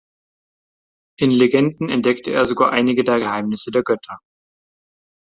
In Legenden entdeckte er sogar einige der Geheimnisse der Götter.